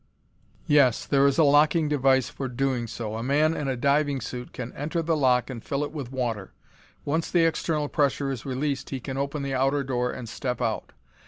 "Yes. There is a locking device for doing so. A man in a diving suit can enter the lock and fill it with water. Once the external pressure is released he can open the outer door and step out.